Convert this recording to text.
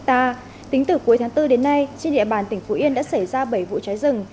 tính từ cuối tháng bốn đến nay trên địa bàn tỉnh phú yên đã xảy ra bảy vụ cháy rừng